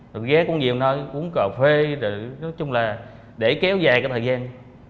rồi ghé cũng nhiều nơi uống cà phê nói chung là để kéo dài cái thời gian